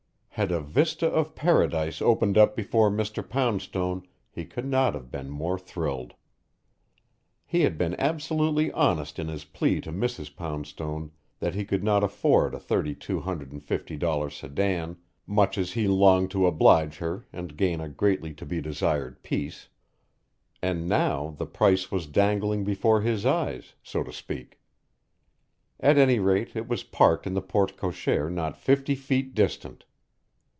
Had a vista of paradise opened up before Mr. Poundstone, he could not have been more thrilled. He had been absolutely honest in his plea to Mrs. Poundstone that he could not afford a thirty two hundred and fifty dollar sedan, much as he longed to oblige her and gain a greatly to be desired peace. And now the price was dangling before his eyes, so to speak. At any rate it was parked in the porte cochere not fifty feet distant!